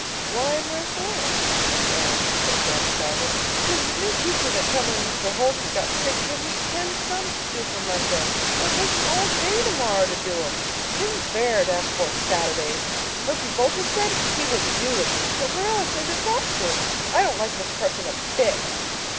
"Why and wherefore?" asked Anne, sitting down beside him. "'Cause the new teacher that come when Mr. Holmes got sick give me ten sums to do for Monday. It'll take me all day tomorrow to do them. It isn't fair to have to work Saturdays. Milty Boulter said he wouldn't do them, but Marilla says I've got to. I don't like Miss Carson a bit."